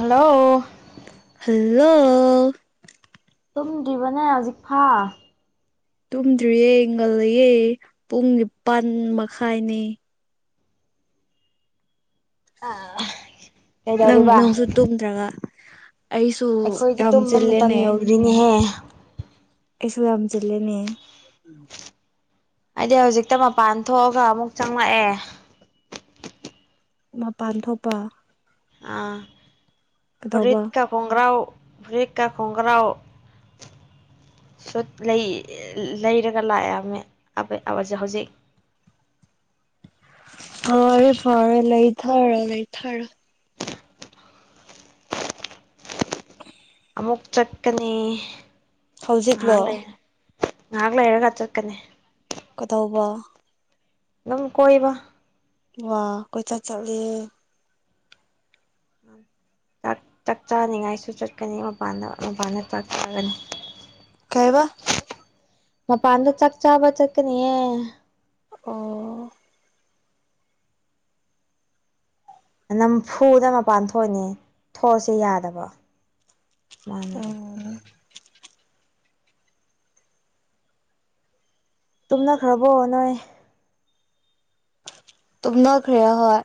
hello hello ꯇꯨꯝꯗ꯭ꯔꯤꯕ ꯅꯪ ꯍꯧꯖꯤꯛ ꯐꯥꯎ ꯇꯨꯝꯗ꯭ꯔꯤꯌꯦ ꯉꯜꯂꯌꯦ ꯄꯨꯡ ꯅꯤꯄꯥꯜ ꯃꯈꯥꯏꯅꯦ [unintelligible] ꯅꯪ ꯀꯩꯗꯧꯔꯤꯕ ꯅꯪꯁꯨ ꯇꯨꯝꯗ꯭ꯔꯒ ꯑꯩꯁꯨ ꯌꯥꯝ ꯆꯤꯜꯂꯦꯅꯦ ꯔꯤꯅꯤꯍꯦ ꯑꯩꯁꯨ ꯌꯥꯝ ꯆꯤꯜꯂꯦꯅꯦ ꯑꯩꯗꯤ ꯍꯧꯖꯤꯛꯇ ꯃꯄꯥꯟ ꯊꯣꯛꯑꯒ ꯑꯃꯨꯛ ꯆꯪꯂꯛꯑꯦ ꯃꯄꯥꯟ ꯊꯣꯛꯄ ꯑꯥ ꯀꯩꯗꯧꯕ ꯐꯨꯔꯤꯠ ꯀꯞ ꯈꯣꯡꯒ꯭ꯔꯥꯎ ꯐꯨꯔꯤꯠꯀꯥ ꯈꯣꯡꯒ꯭ꯔꯥꯎ ꯁꯨꯠ ꯂꯩ ꯂꯩꯔꯒ ꯂꯥꯛꯑꯝꯃꯦ ꯑꯕꯦ ꯍꯧꯖꯤꯛ ꯐꯔꯦ ꯐꯔꯦ ꯂꯩꯊꯥꯔꯣ ꯂꯩꯊꯔꯣ [inaudible] ꯑꯃꯨꯛ ꯆꯠꯀꯅꯤ ꯍꯧꯖꯤꯛꯂꯣ ꯉꯥꯏꯍꯥꯛ ꯂꯩ ꯉꯥꯏꯍꯥꯛ ꯂꯩꯔꯒ ꯆꯠꯀꯅꯤ ꯀꯗꯧꯕ ꯗꯨꯝ ꯀꯣꯏꯕ ꯋꯥ ꯀꯣꯏꯆꯠ ꯆꯠꯂꯦ [inaudible] ꯆꯥꯛ ꯆꯥꯛ ꯆꯥꯅꯤꯡꯉꯥꯏꯁꯨ ꯆꯠꯀꯅꯤ ꯃꯄꯥꯟꯗ ꯃꯄꯥꯟꯗ ꯆꯥꯛ ꯆꯥꯒꯅꯤ ꯀꯩꯕꯥ ꯃꯄꯥꯟꯗ ꯆꯥꯛ ꯆꯥꯕ ꯆꯀꯅꯤꯌꯦ ꯑꯣ ꯅꯝꯐꯨꯗ ꯃꯄꯥꯟ ꯊꯣꯛꯑꯅꯤ ꯊꯣꯛꯑꯁꯦ ꯌꯥꯗꯕꯔꯣ ꯑꯣ ꯇꯨꯝꯅꯈ꯭ꯔꯕꯣ ꯅꯣꯏ ꯇꯨꯝꯅꯈ꯭ꯔꯦ ꯍꯣꯏ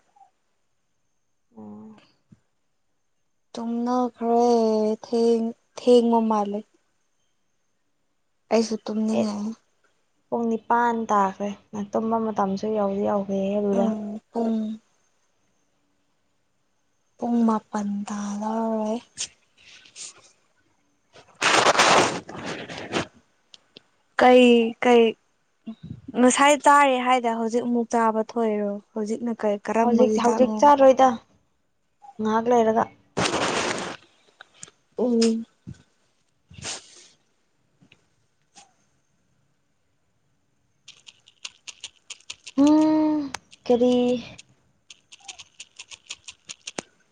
ꯇꯨꯝꯅꯈꯔ꯭ꯦ ꯊꯦꯡ ꯊꯦꯡꯕ ꯃꯥꯜꯂꯦ ꯑꯩꯁꯨ ꯑꯦꯠ ꯇꯨꯝꯅꯤꯡꯉꯦ ꯄꯨꯡ ꯅꯤꯄꯥꯟ ꯇꯥꯈ꯭ꯔꯦ ꯅ ꯇꯨꯝꯕ ꯃꯇꯝꯁꯨ ꯌꯧꯗꯤ ꯌꯧꯈ꯭ꯔꯦꯍꯦ ꯑꯗꯨꯗ ꯎꯝ ꯄꯨꯡ ꯄꯨꯡ ꯃꯥꯄꯟ ꯇꯥꯗꯧꯔꯦ [inaudible] ꯀꯩ ꯀꯩ ꯉꯁꯥꯏ ꯇꯥꯔꯦ ꯍꯥꯏꯗ ꯍꯧꯖꯤꯛ ꯑꯃꯨꯛ ꯇꯥꯕ ꯊꯣꯛꯏꯔꯣ ꯍꯨꯖꯤꯛꯅ ꯀꯩ ꯀꯔꯝꯕꯒꯤ ꯍꯧꯖꯤꯛ ꯍꯧꯖꯤꯛ ꯆꯥꯛꯅꯣ ꯆꯥꯔꯣꯏꯗ ꯉꯥꯍꯥꯛ ꯂꯩꯔꯒ ꯎꯝ ꯎꯝ ꯀꯔꯤ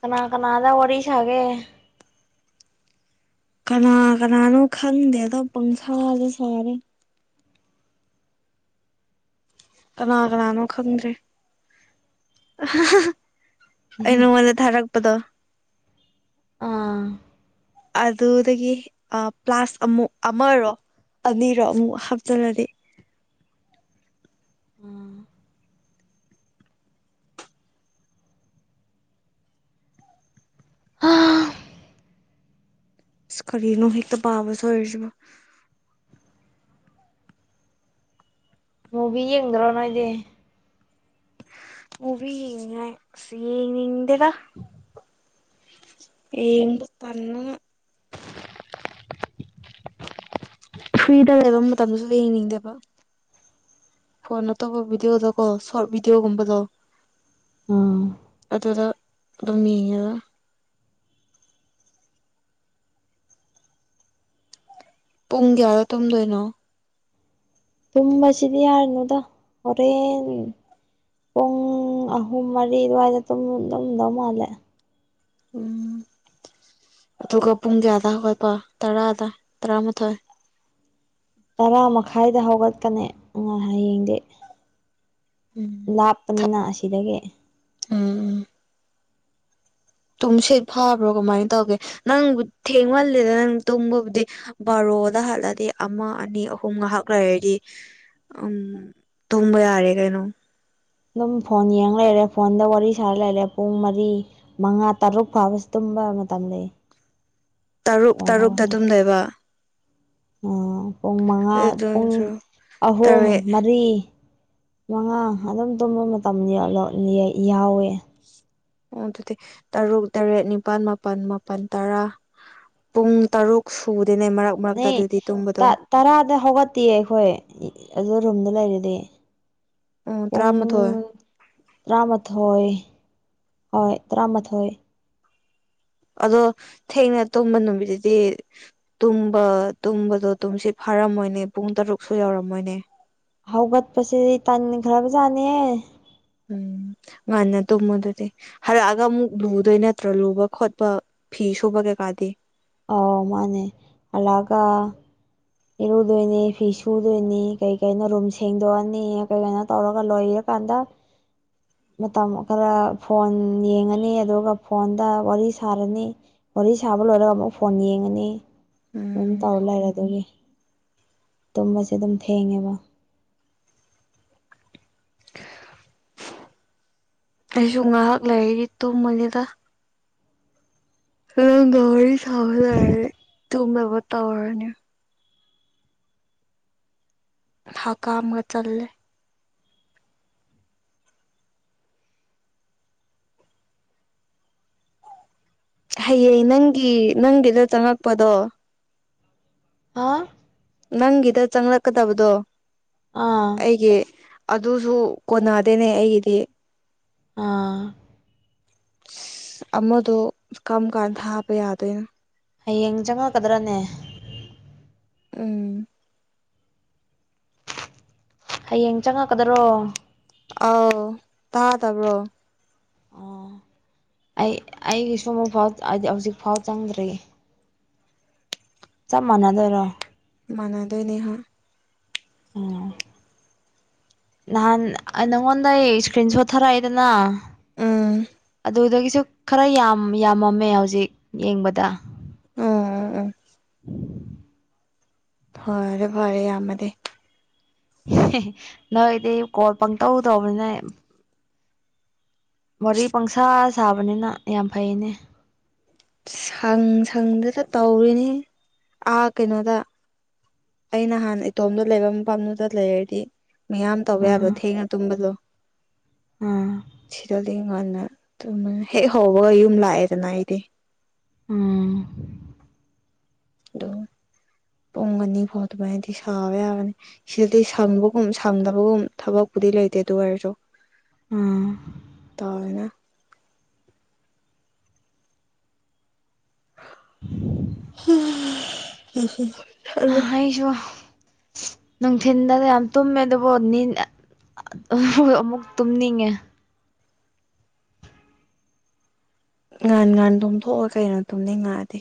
ꯀꯅꯥ ꯀꯅꯥꯗ ꯋꯥꯔꯤ ꯁꯥꯒꯦ ꯀꯅꯥ ꯀꯅꯥꯅꯣ ꯈꯪꯗꯦꯗ ꯄꯪꯁꯥꯗ ꯁꯥꯔꯦ ꯀꯅꯥ ꯀꯅꯥꯅꯣ ꯈꯪꯗ꯭ꯔꯦ ꯑꯩ ꯅꯉꯣꯟꯗ ꯊꯔꯛꯄꯗꯣ ꯑꯥ ꯑꯗꯨꯗꯒꯤ ꯑ ꯄ꯭ꯂꯥꯁ ꯑꯃꯨꯛ ꯑꯃꯔꯣ ꯑꯅꯤꯔꯣ ꯑꯃꯨꯛ ꯍꯥꯞꯆꯜꯂꯗꯤ ꯎꯝ [inaudible] ꯏꯁ ꯀꯔꯤꯅꯣ ꯍꯦꯛꯇ ꯄꯥꯕ ꯁꯣꯏꯔꯤꯁꯤꯕꯨ ꯃꯨꯚꯤ ꯌꯦꯡꯗ꯭ꯔꯣ ꯅꯣꯏꯗꯤ ꯃꯨꯕꯤ ꯌꯦꯡꯅꯤꯉꯥꯏ ꯑꯁ ꯌꯦꯡꯅꯤꯡꯗꯦꯗ ꯌꯦꯡꯕ ꯇꯟꯗꯅ ꯐ꯭ꯔꯤꯗ ꯂꯩꯕ ꯃꯇꯝꯗꯁꯨ ꯌꯦꯡꯅꯤꯡꯗꯦꯕ ꯐꯣꯟ ꯅꯠꯇꯕ ꯚꯤꯗꯤꯑꯣꯗ ꯀꯣ ꯁꯣꯔꯠ ꯚꯤꯗꯤꯑꯣꯒꯨꯝꯕꯗꯣ ꯎꯝ ꯑꯗꯨꯗ ꯑꯗꯨꯝ ꯌꯦꯡꯉꯒ ꯄꯨꯡ ꯀꯌꯥꯗꯥ ꯇꯨꯝꯗꯣꯏꯅꯣ ꯇꯨꯝꯕꯁꯤꯗꯤ ꯌꯥꯔꯤꯅꯤꯗ ꯍꯣꯔꯦꯟ ꯄꯨꯡ ꯑꯍꯨꯝ ꯃꯔꯤ ꯑꯗꯨꯋꯥꯏꯗ ꯇꯨꯝ ꯇꯨꯝꯗꯧ ꯃꯥꯜꯂꯦ ꯎꯝ ꯑꯗꯨꯒ ꯄꯨꯡ ꯀꯌꯥꯗ ꯍꯧꯒꯠꯄ ꯇꯔꯥꯗꯥ ꯇꯔꯥꯃꯥꯊꯣꯏ ꯇꯔꯥ ꯃꯈꯥꯏꯗ ꯍꯧꯒꯠꯀꯅꯤ ꯑꯥ ꯍꯌꯦꯡꯗꯤ ꯎꯝ ꯂꯥꯞꯄꯅꯤꯅ ꯑꯁꯤꯗꯒꯤ ꯎꯝ ꯎꯝ ꯇꯨꯝꯁꯤꯠ ꯐꯥꯕ꯭ꯔꯣ ꯀꯃꯥꯏꯅ ꯇꯧꯒꯦ ꯅꯪꯕꯨ ꯊꯦꯡꯃꯜꯂꯦꯗ ꯅꯪ ꯇꯨꯝꯕꯕꯨꯗꯤ ꯕꯥꯔꯣꯗ ꯍꯥꯜꯂꯗꯤ ꯑꯃ ꯑꯅꯤ ꯑꯍꯨꯝ ꯉꯥꯏꯍꯥꯛ ꯂꯩꯔꯗꯤ ꯎꯝ ꯇꯨꯝꯕ ꯌꯥꯔꯦ ꯀꯩꯅꯣ ꯑꯗꯨꯝ ꯐꯣꯟ ꯌꯦꯡ ꯂꯩꯔꯦ ꯐꯣꯟꯗ ꯋꯥꯔꯤ ꯁꯥꯔ ꯂꯩꯔꯦ ꯄꯨꯡ ꯃꯔꯤ ꯃꯉꯥ ꯇꯔꯨꯛ ꯐꯥꯎꯕꯁꯤ ꯇꯨꯝꯕ ꯃꯇꯝ ꯂꯩ ꯇꯔꯨꯛ ꯐꯣꯟꯗ ꯇꯔꯨꯛꯇ ꯇꯨꯝꯗꯣꯏꯕ ꯎ ꯄꯨꯡ ꯃꯉꯥ ꯑꯗꯨ ꯄꯨꯡ ꯑꯍꯨꯝ ꯇꯔꯦꯠ ꯃꯔꯤ ꯃꯉꯥ ꯑꯗꯨꯝ ꯇꯨꯝꯕ ꯃꯇꯝ ꯌꯥꯎꯋꯦ ꯑꯣ ꯑꯗꯨꯗꯤ ꯇꯔꯨꯛ ꯇꯔꯦꯠ ꯅꯤꯄꯥꯜ ꯃꯥꯄꯜ ꯃꯥꯄꯜ ꯇꯔꯥ ꯄꯨꯡ ꯇꯔꯨꯛ ꯁꯨꯗꯦꯅꯦ ꯃꯔꯛ ꯃꯔꯛꯇ ꯅꯤ ꯑꯗꯨꯗꯤ ꯇꯨꯝꯕꯗꯣ ꯇꯔꯥꯗ ꯍꯧꯒꯠꯇꯤꯌꯦ ꯑꯩꯈꯣꯏ ꯑꯗꯨ ꯔꯨꯝꯗ ꯂꯩꯔꯗꯤ ꯎꯝ ꯄꯨꯡ ꯇꯔꯥꯃꯥꯊꯣꯏ ꯇꯔꯥꯃꯥꯊꯣꯏ ꯍꯣꯏ ꯇꯔꯥꯃꯥꯊꯣꯏ ꯑꯗꯣ ꯊꯦꯡꯅ ꯇꯨꯝꯕ ꯅꯨꯃꯤꯠꯇꯤ ꯇꯨꯝꯕ ꯇꯨꯝꯕꯗꯣ ꯇꯨꯝꯁꯤ ꯐꯥꯔꯝꯃꯣꯏꯅꯦ ꯄꯨꯡ ꯇꯔꯨꯛꯁꯨ ꯌꯥꯎꯔꯝꯃꯣꯏꯅꯦ ꯍꯧꯒꯠꯄꯁꯦ ꯇꯥꯟꯈ꯭ꯔꯕꯖꯥꯠꯅꯦ ꯎꯝ ꯉꯟꯅ ꯇꯨꯝꯃꯨ ꯑꯗꯨꯗꯤ ꯍꯂꯛꯑꯒ ꯑꯃꯨꯛ ꯂꯨꯗꯣꯏ ꯅꯠꯇ꯭ꯔꯣ ꯂꯨꯕ ꯈꯣꯠꯄ ꯐꯤ ꯁꯨꯨꯕ ꯀꯩꯀꯥꯗꯤ ꯑ ꯃꯥꯅꯦ ꯍꯜꯂꯛꯑꯒ ꯏꯔꯨꯗꯣꯏꯅꯤ ꯐꯤ ꯁꯨꯗꯣꯏꯅꯤ ꯀꯩ ꯀꯩꯅꯣ ꯔꯨꯝ ꯁꯦꯡꯗꯣꯛꯑꯅꯤ ꯀꯩ ꯀꯅꯣ ꯇꯧꯔꯒ ꯂꯣꯏꯔ ꯀꯥꯟꯗ ꯃꯇꯝ ꯈꯔ ꯐꯣꯟ ꯌꯦꯡꯉꯅꯤ ꯑꯗꯨꯒ ꯐꯣꯟꯗ ꯋꯥꯔꯤ ꯁꯥꯔꯅꯤ ꯋꯥꯔꯤ ꯁꯥꯕ ꯂꯣꯏꯔꯒ ꯑꯃꯨꯛ ꯐꯣꯟ ꯌꯦꯡꯉꯅꯤ ꯂꯣꯏ ꯎꯝ ꯇꯧꯔ ꯂꯩꯔꯦ ꯑꯗꯨꯒꯤ ꯇꯨꯝꯕꯁꯦ ꯑꯗꯨꯝ ꯊꯦꯡꯉꯦꯕ ꯑꯩꯁꯨ ꯉꯥꯏꯍꯥꯛ ꯂꯩ ꯇꯨꯝꯃꯅꯤꯗ ꯅꯪꯒ ꯋꯥꯔꯤ ꯁꯥ ꯂꯣꯏꯔꯗꯤ ꯇꯨꯝꯅꯕ ꯇꯧꯔꯅꯤ ꯍꯀꯥꯝꯒ ꯆꯜꯂꯦ ꯍꯌꯦꯡ ꯅꯪꯒꯤ ꯅꯪꯒꯤꯗ ꯆꯪꯉꯛꯄꯗꯣ ꯍꯥꯥ ꯅꯪꯒꯤꯗ ꯆꯪꯂꯛꯀꯗꯕꯗꯣ ꯑꯥ ꯑꯩꯒꯤ ꯑꯗꯨꯁꯨ ꯀꯣꯟꯅꯗꯦꯅꯦ ꯑꯩꯒꯤꯗꯤ ꯑꯥ ꯑꯃꯗꯣ ꯀꯝ ꯀꯥꯟ ꯊꯥꯕ ꯌꯥꯗꯣꯏꯅꯣ ꯍꯌꯦꯡ ꯆꯪꯉꯛꯀꯗ꯭ꯔꯅꯦ ꯎꯝ ꯍꯌꯦꯡ ꯆꯪꯉꯛꯀꯗꯔꯣ ꯑꯥꯎ ꯇꯥꯗꯕ꯭ꯔꯣ ꯑꯣ ꯑꯩ ꯑꯩꯒꯤꯁꯨ ꯑꯃꯨꯛ ꯐꯥꯎ ꯍꯧꯖꯤꯛ ꯐꯥꯎ ꯆꯪꯗ꯭ꯔꯤ ꯆꯞ ꯃꯥꯟꯅꯗꯣꯏꯔꯣ ꯃꯥꯟꯗꯣꯏꯅꯦ ꯎꯝ ꯅꯍꯥꯟ ꯅꯪꯉꯣꯟꯗ ꯑꯩ ꯏꯁꯀ꯭ꯔꯤꯟ ꯁꯣꯠ ꯊꯥꯔꯛꯑꯦꯗꯅ ꯎꯝ ꯑꯗꯨꯗꯒꯤꯁꯨ ꯈꯔ ꯌꯥꯝ ꯌꯥꯝꯃꯝꯃꯦ ꯍꯧꯖꯤꯛ ꯌꯦꯡꯕꯗ ꯎꯟ ꯎꯟ ꯎꯟ ꯐꯔꯦ ꯐꯔꯦ ꯌꯥꯝꯃꯗꯤ [unintelligible] ꯅꯣꯏꯗꯤ ꯀꯣꯜ ꯄꯪꯇꯧ ꯇꯧꯕꯅꯤꯅ ꯋꯥꯔꯤ ꯄꯪꯁꯥ ꯁꯥꯕꯅꯤꯅ ꯌꯥꯝ ꯐꯩꯅꯦ ꯁꯪ ꯁꯪꯗꯨꯗ ꯇꯧꯔꯤꯅꯤ ꯑꯥ ꯀꯩꯅꯣꯗ ꯑꯩ ꯅꯍꯥꯟ ꯏꯇꯣꯝꯗ ꯂꯩꯕ ꯃꯐꯝꯗꯨꯗ ꯂꯩꯔꯗꯤ ꯃꯌꯥꯝ ꯇꯧꯕ ꯌꯥꯕ꯭ꯔꯣ ꯎꯝ ꯊꯦꯡꯅ ꯇꯨꯝꯕꯗꯣ ꯎꯝ ꯁꯤꯗ ꯑꯗꯨ ꯉꯟꯅ ꯍꯦꯛ ꯍꯧꯕꯒ ꯌꯨꯝ ꯂꯥꯛꯑꯦꯗꯅ ꯑꯩꯗꯤ ꯎꯝ ꯑꯗꯨ ꯄꯣꯡ ꯑꯅꯤ ꯐꯥꯎꯗ ꯑꯗꯨꯃꯥꯢꯗꯤ ꯁꯥꯕ ꯌꯥꯕꯅꯤ ꯁꯤꯗꯗꯤ ꯁꯪꯕꯒꯨꯝ ꯁꯪꯗꯕꯒꯨꯝ ꯊꯕꯛꯄꯨꯗꯤ ꯂꯩꯇꯦ ꯑꯗꯨ ꯑꯣꯏꯔꯁꯨ ꯎꯝ ꯇꯧꯔꯅ [unintelligible] ꯑꯩꯁꯨ ꯅꯨꯡꯊꯤꯟꯗ ꯌꯥꯝ ꯇꯨꯝꯃꯦ ꯑꯗꯨꯕꯨ ꯑꯥ ꯍꯣꯢ ꯑꯃꯨꯛ ꯇꯨꯝꯅꯤꯡꯉꯦ ꯉꯥꯟ ꯉꯥꯟ ꯇꯨꯝꯊꯣꯛꯑꯣ ꯀꯩꯅꯣ ꯇꯣꯝꯅꯤ ꯉꯥꯑꯗꯤ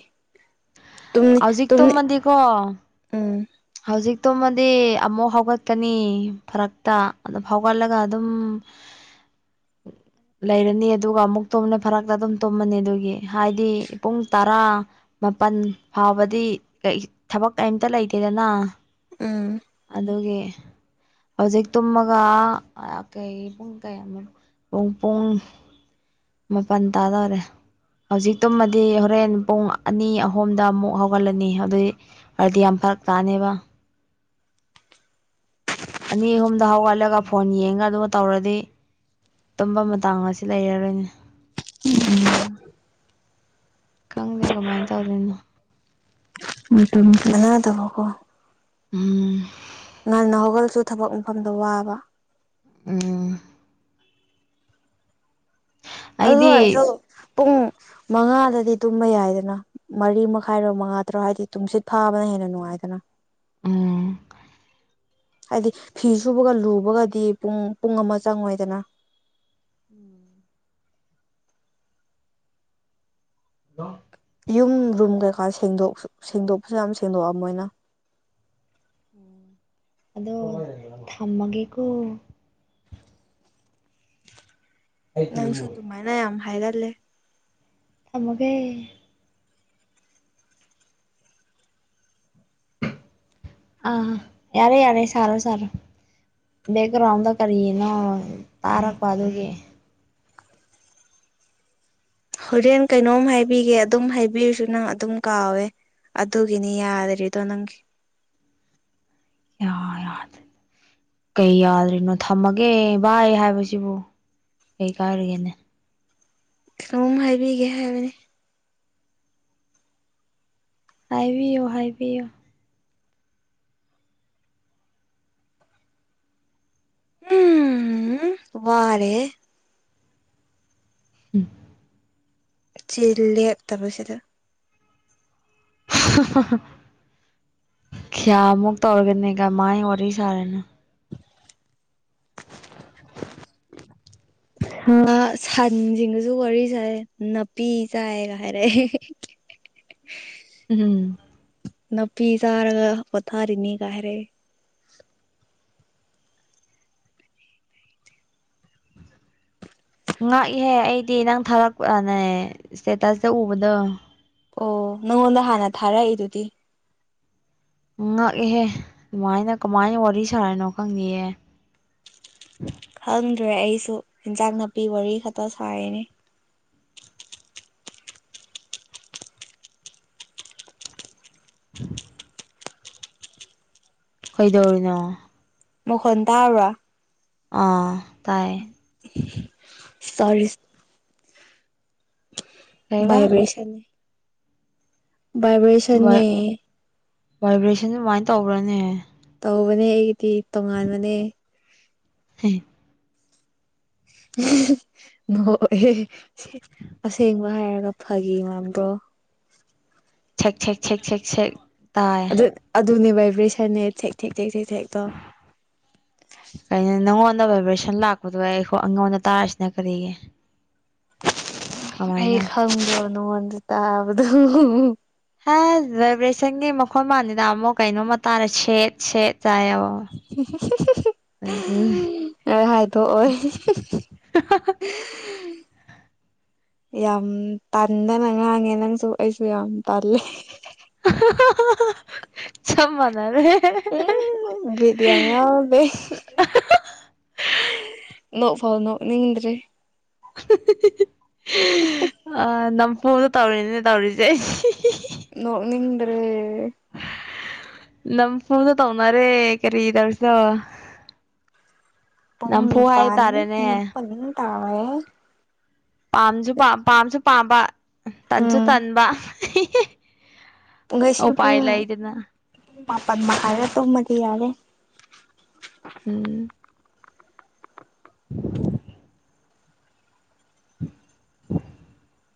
ꯇꯨꯝꯅꯤ ꯍꯧꯖꯤꯛ ꯇꯨꯝꯅꯤ ꯇꯨꯝꯃꯗꯤꯀꯣ ꯎꯝ ꯍꯧꯖꯤꯛ ꯇꯨꯝꯃꯗꯤ ꯑꯃꯨꯛ ꯍꯧꯒꯠꯀꯅꯤ ꯐꯔꯛꯇ ꯑꯗꯨ ꯍꯧꯒꯠꯂꯒ ꯑꯗꯨꯝ ꯂꯩꯔꯅꯤ ꯑꯗꯨꯒ ꯑꯃꯨꯛ ꯇꯨꯝꯅ ꯐꯔꯛꯇ ꯑꯗꯨꯝ ꯇꯨꯝꯃꯅꯤ ꯑꯗꯨꯒꯤ ꯍꯥꯏꯗꯤ ꯄꯨꯡ ꯇꯔꯥ ꯃꯥꯄꯜ ꯐꯥꯎꯕꯗꯤ ꯊꯕꯛ ꯀꯩꯝꯇ ꯂꯩꯇꯦ ꯏꯔꯅ ꯎꯝ ꯑꯗꯨꯒꯤ ꯍꯧꯖꯤꯛ ꯇꯨꯝꯃꯒ ꯀꯩ ꯄꯨꯡ ꯀꯩꯅꯣ ꯄꯨꯡ ꯄꯨꯡ ꯃꯥꯄꯟ ꯇꯥꯗꯣꯔꯦ ꯍꯧꯖꯤꯛꯇꯨꯝꯃꯗꯤ ꯍꯣꯔꯦꯟ ꯄꯨꯡ ꯑꯅꯤ ꯑꯍꯨꯝꯗ ꯑꯃꯨꯛ ꯍꯧꯒꯠꯂꯅꯤ ꯑꯗꯨꯏ ꯑꯣꯏꯗꯤ ꯌꯥꯝ ꯐꯔꯛ ꯇꯥꯅꯦꯕ ꯑꯅꯤ ꯑꯍꯨꯝꯗ ꯍꯧꯒꯠꯂꯒ ꯐꯣꯟ ꯌꯦꯡꯉ ꯑꯗꯨꯝ ꯇꯧꯔꯗꯤ ꯇꯨꯝꯕ ꯃꯇꯥꯡ ꯑꯁꯤ ꯂꯩꯔꯔꯣꯏꯅꯤ [unintelligible] ꯈꯪꯗꯦ ꯀꯃꯥꯏꯅ ꯇꯧꯗꯣꯏꯅꯣ ꯃꯇꯝ ꯆꯅꯥ ꯗꯕ ꯀꯣ ꯎꯝ ꯎꯝ ꯉꯥꯟ ꯅ ꯍꯧꯒꯜꯁꯨ ꯊꯕꯛ ꯃꯐꯝꯗ ꯋꯥꯕ ꯎꯝ ꯑꯗꯨ ꯑꯩꯗꯤ ꯑꯣꯏꯔꯁꯨ ꯄꯨꯡ ꯃꯉꯥꯗꯗꯤ ꯇꯨꯝꯕ ꯌꯥꯏꯗꯅ ꯃꯔꯤ ꯃꯈꯥꯏꯔꯣ ꯃꯉꯥ ꯇꯔꯣ ꯍꯥꯏꯗꯤ ꯇꯨꯝꯁꯤꯠ ꯐꯥꯕꯅ ꯍꯦꯟꯅ ꯅꯨꯡꯉꯥꯏꯗꯅ ꯑꯥ ꯍꯥꯏꯗꯤ ꯐꯤ ꯁꯨꯕꯒ ꯂꯨꯕꯒꯗꯤ ꯄꯨꯡ ꯄꯨꯡ ꯑꯃ ꯆꯪꯉꯣꯏꯗꯅ [inaudible] [unintelligible] ꯌꯨꯝ ꯔꯨꯝ ꯀꯩꯀꯥꯦꯡꯗ ꯁꯦꯡꯗꯣꯛꯄꯁꯨ ꯌꯥꯝ ꯁꯦꯡꯗꯣꯛꯑ ꯃꯣꯏꯅ ꯑꯗꯣ ꯊꯝꯃꯒꯦꯀ‌ꯣ ꯅꯪꯁꯨ ꯑꯗꯨꯃꯥꯏꯅ ꯌꯥꯝ ꯍꯥꯏꯔꯂꯦ ꯊꯝꯃꯒ‌ꯦ ꯑꯥ ꯌꯥꯔꯦ ꯌꯥꯔꯦ ꯁꯔꯣ ꯁꯔꯣ ꯕꯦꯛꯒ꯭ꯔꯥꯎꯟꯗ ꯀꯔꯤꯅꯣ ꯇꯥꯔꯛꯄ ꯑꯗꯨꯒꯤ ꯍꯣꯔꯦꯟ ꯀꯩꯅꯣꯝ ꯍꯥꯏꯕꯤꯒꯦ ꯑꯗꯨꯝ ꯍꯥꯏꯕꯤꯔꯨꯁꯨ ꯅꯪ ꯑꯗꯨꯝ ꯀꯥꯎꯋꯦ ꯑꯗꯨꯒꯤꯅꯤ ꯌꯥꯗꯔꯤꯗꯣ ꯅꯪꯒꯤ ꯌꯥ ꯌꯥꯗ‌ꯦ ꯀꯩ ꯌꯥꯗ꯭ꯔꯤꯅꯣ ꯊꯝꯃꯒꯦ ꯚꯏ ꯍꯥꯏꯕꯁꯤꯕꯨ ꯀꯩ ꯀꯥꯏꯔꯒꯦꯅꯦ ꯀꯩꯅ‌ꯣꯝ ꯍꯥꯏꯕꯤꯒꯦ ꯍꯥꯏꯕꯅꯤ ꯍꯥꯏꯕꯤꯌꯨ ꯍꯥꯏꯕꯤꯌꯨ ꯎꯝ ꯋꯥꯔꯦ ꯎꯝ ꯆꯤꯜ ꯂꯦꯛꯇꯕꯁꯤꯗ ꯈꯤꯌꯥꯃꯨꯛ ꯇꯧꯔꯒꯅꯦꯒ ꯃꯥꯥꯏ ꯋꯥꯔꯤ ꯁꯥꯔꯦꯅ ꯁꯟꯁꯤꯡꯒꯁꯨ ꯋꯥꯔꯤ ꯁꯥꯏ ꯅꯥꯄꯤ ꯆꯥꯏꯒ ꯍꯥꯏꯔꯛꯦ ꯎꯝ ꯅꯨꯄꯤ ꯆꯥꯔꯒ ꯄ‌ꯣꯊꯥꯔꯤꯅꯤ ꯀ ꯍꯥꯏꯔꯛꯑ‌ꯦ ꯉꯥꯛꯏꯍꯦ ꯑꯩꯗꯤ ꯅꯪ ꯊꯥꯔꯛꯄꯅꯦ ꯏꯁꯇꯦꯇꯁꯇ ꯎꯕꯗꯣ ꯑꯣ ꯅꯪꯉꯣꯟꯗ ꯍꯥꯟꯅ ꯊꯥꯔꯛꯏꯗꯨꯗꯤ ꯎ ꯉꯥꯛꯏꯍꯦ ꯑꯗꯨꯃꯥꯏꯅ ꯀꯃꯥꯏꯅ ꯋꯥꯔꯤ ꯁꯥꯔꯤꯅꯣ ꯈꯪꯗꯤꯌ‌ꯦ ꯈꯪꯗ꯭ꯔꯦ ꯑꯩꯁꯨ ꯏꯟꯖꯥꯡ ꯅꯥꯄꯤ ꯋꯥꯔꯤ ꯈꯛꯇ ꯁꯥꯔꯤꯅꯦ [unintelligible] ꯀꯩꯗꯧꯔꯤꯅꯣ ꯃꯈꯣꯟ ꯇꯥꯕ꯭ꯔꯥ ꯑꯥ ꯇꯥꯏ ꯁꯔꯤ ꯀꯩꯕ ꯚꯥꯏꯕ꯭ꯔ‌ꯦꯁꯟ ꯚꯥꯏꯕ꯭ꯔ‌ꯦꯁꯟꯅ‌ꯦ ꯚꯥꯏꯕ꯭ꯔꯦꯁꯟ ꯑꯗꯨꯃꯥꯏꯅ ꯇꯧꯕ꯭ꯔꯅꯦ ꯇꯧꯕꯅꯦ ꯑꯩꯒꯤꯗꯤ ꯇꯣꯉꯥꯟꯕꯅꯦ [unintelligible] [unintelligible] ꯑꯁꯦꯡꯕ ꯍꯥꯏꯔꯒ ꯐꯒꯤ ꯃꯥꯟꯕ꯭ꯔꯣ [unintelligible] ꯑꯗꯨ ꯑꯗꯨꯅꯦ ꯚꯏꯕ꯭ꯔꯦꯁꯟꯅꯦ ꯊꯦꯛ ꯊꯦꯛ ꯊꯦꯛ ꯊꯦꯛ ꯊꯦꯛꯇꯣ [unintelligible] ꯀꯩꯅꯣ ꯅꯪꯉꯣꯟꯗ ꯚꯥꯏꯕ꯭ꯔꯦꯁꯟ ꯂꯥꯛꯄꯗꯣ ꯑꯩ ꯑꯩꯉꯣꯟꯗ ꯇꯥꯔꯤꯁꯤꯅ ꯀꯔꯤꯒꯤ [inaudible] ꯑꯩ ꯀꯃꯥꯏꯅ ꯈꯪꯗꯕ ꯅꯉꯣꯟꯗ ꯇꯥꯕꯗꯣ ꯍꯥ ꯚꯥꯏꯕ꯭ꯔꯦꯁꯟꯒꯤ ꯃꯈꯣꯟ ꯃꯜꯅꯤꯅ ꯑꯃꯨꯛ ꯀꯩꯅꯣꯝꯃ ꯇꯥꯔꯦ ꯁꯦꯠ ꯁꯦꯠ ꯇꯥꯏꯌꯦꯕ ꯍꯥꯏꯗꯣꯛꯑꯣꯏ [unintelligible] ꯌꯥꯝ ꯇꯟꯗꯅ ꯉꯥꯡꯉꯦ ꯅꯪꯁꯨ ꯑꯩꯁꯨ ꯌꯥꯝ ꯇꯜꯂꯦ ꯆꯞ ꯃꯥꯅꯔꯦ ꯎꯝ ꯕꯤꯠ ꯌꯥꯝ ꯌꯥꯎꯗꯦ ꯅꯣꯛ ꯐꯥꯎ ꯅꯣꯛꯅꯤꯡꯗ꯭ꯔꯦ ꯑꯥ ꯅꯝꯐꯨꯗ ꯇꯧꯔꯤꯅꯤꯅꯦ ꯇꯧꯔꯤꯁꯦ ꯅꯣꯛꯅꯤꯡꯗ꯭ꯔꯦ ꯅꯝꯐꯨꯗ ꯇꯧꯅꯔꯦ ꯀꯔꯤ ꯇꯧꯔꯁꯨ [unintelligible] ꯄꯨꯡ ꯅꯤꯄꯥꯥꯟ ꯍꯥꯏꯇꯥꯔꯦꯅꯦ ꯅꯤꯄꯜ ꯇꯥꯒꯔꯦ ꯄꯥꯝꯁꯨ ꯄꯥꯝꯁꯨ ꯄꯥꯝꯕ ꯇꯟꯁꯨ ꯎꯝ ꯇꯟꯕ ꯄꯨꯡꯈꯩꯁꯤ ꯄꯨꯡ ꯎꯄꯥꯏ ꯄꯨꯡ ꯂꯩꯗꯅ ꯃꯥꯄꯜ ꯃꯈꯥꯏꯗ ꯇꯨꯝꯃꯗꯤ ꯌꯥꯔꯦ ꯎꯝ [unintelligible]